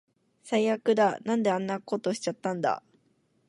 最悪だ。なんであんなことしちゃったんだ